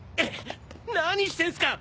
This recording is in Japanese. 何してんすか！